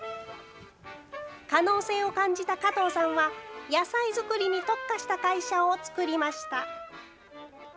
可能性を感じた加藤さんは野菜作りに特化した会社をつくりました。